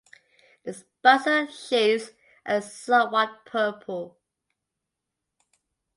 Its basal sheaths are somewhat purple.